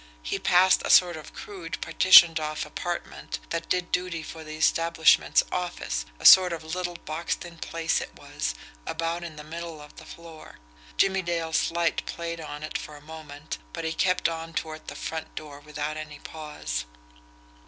He passed a sort of crude, partitioned off apartment that did duty for the establishment's office, a sort of little boxed in place it was, about in the middle of the floor. Jimmie Dale's light played on it for a moment, but he kept on toward the front door without any pause.